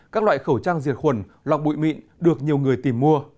các loại khẩu trang diệt khuẩn lọc bụi mịn được nhiều người tìm mua